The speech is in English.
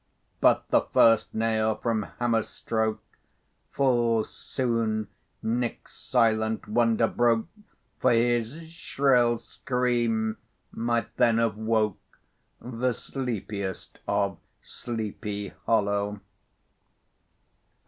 But the first nail from hammer's stroke Full soon Nick's silent wonder broke, For his shrill scream might then have woke The sleepiest of Sleepy Hollow.